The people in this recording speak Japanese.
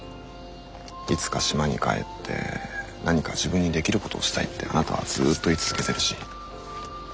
いつか島に帰って何か自分にできることをしたいってあなたはずっと言い続けてるし。